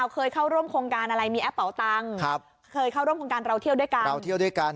เคยเข้าร่วมโครงการอะไรมีแอปเป๋าตังค์เคยเข้าร่วมโครงการเราเที่ยวด้วยกัน